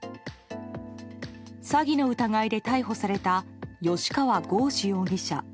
詐欺の疑いで逮捕された吉川剛司容疑者。